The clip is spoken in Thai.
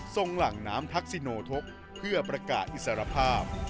หลังน้ำทักษิโนทกเพื่อประกาศอิสรภาพ